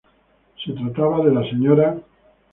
Se trataba de la Sra.